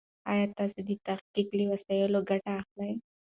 ايا ته د تحقيق له وسایلو ګټه اخلې؟